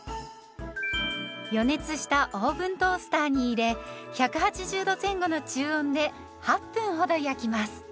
予熱したオーブントースターに入れ１８０度前後の中温で８分ほど焼きます。